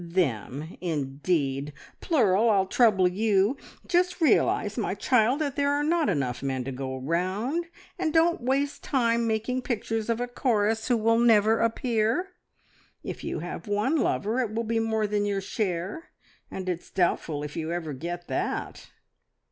"`Them,' indeed! Plural, I'll trouble you! Just realise, my child, that there are not enough men to go round, and don't waste time making pictures of a chorus who will never appear. If you have one lover, it will be more than your share; and it's doubtful if you ever get that."